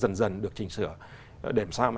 dần dần được chỉnh sửa để làm sao mà